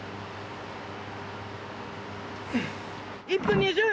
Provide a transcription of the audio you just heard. １分２０！